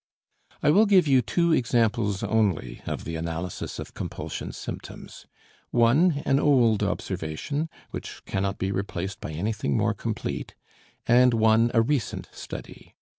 I will give you two examples only of the analysis of compulsion symptoms, one, an old observation, which cannot be replaced by anything more complete, and one a recent study.